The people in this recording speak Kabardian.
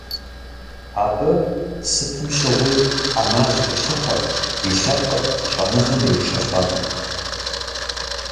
Абы сытым щыгъуи Ӏэмал къилъыхъуэрт и лъэпкъыр щӀэныгъэм иришэлӀэну.